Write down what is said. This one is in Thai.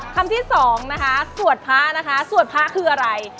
คำที่สองนะคะสวดพลาดซูอร์ฟก็คืออะไร